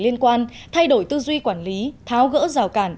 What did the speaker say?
liên quan thay đổi tư duy quản lý tháo gỡ rào cản